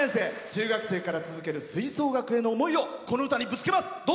中学生から続ける吹奏楽への思いをこの歌にぶつけます。